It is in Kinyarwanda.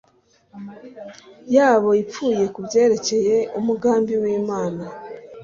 yabo ipfuye ku byerekeye umugambi w'imana